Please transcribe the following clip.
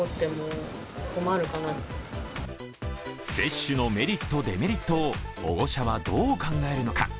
接種のメリット・デメリットを保護者はどう考えるのか。